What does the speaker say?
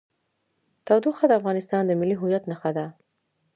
تودوخه د افغانستان د ملي هویت نښه ده.